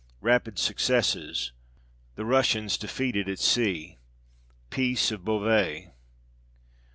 Rapid successes. The Russians defeated at sea. Peace of Beauvais.